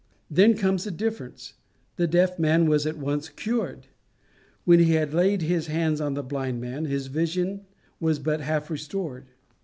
Then comes a difference. The deaf man was at once cured; when he had laid his hands on the blind man, his vision was but half restored.